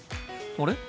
あれ？